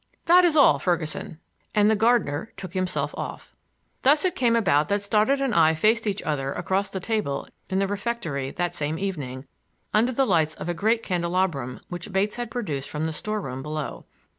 "That is all, Ferguson." And the gardener took himself off. Thus it came about that Stoddard and I faced each other across the table in the refectory that same evening under the lights of a great candelabrum which Bates had produced from the store room below.